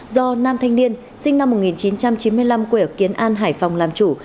do nam thanh niên sinh năm một nghìn chín trăm chín mươi năm quê ở kiến an hải phòng làm chủ